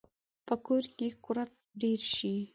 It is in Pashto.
په کور کې کورت ډیر شي